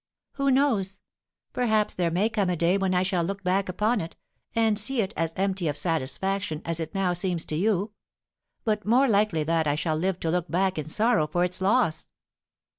Who knows? Perhaps there may come a day when I shall look back upon it, and see it as empty of satisfaction as it now seems to you. But more likely that I shall live to look back in sorrow for its loss."